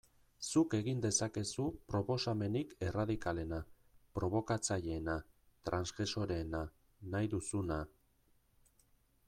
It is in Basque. Zuk egin dezakezu proposamenik erradikalena, probokatzaileena, transgresoreena, nahi duzuna...